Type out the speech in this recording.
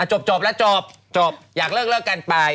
จบแล้วจบจบอยากเลิกกันไป